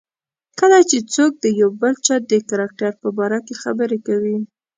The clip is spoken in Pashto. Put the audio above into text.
کله چې څوک د بل چا د کرکټر په باره کې خبرې کوي.